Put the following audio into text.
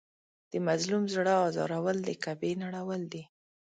د مظلوم زړه ازارول د کعبې نړول دي.